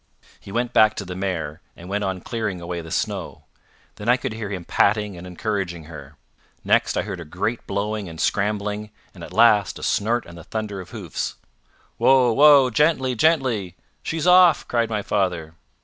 He went back to the mare, and went on clearing away the snow. Then I could hear him patting and encouraging her. Next I heard a great blowing and scrambling, and at last a snort and the thunder of hoofs. "Woa! woa! Gently! gently! She's off!" cried my father.